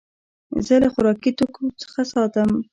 زه له خوراکي توکو څخه ساتم.